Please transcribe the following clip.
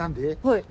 はい。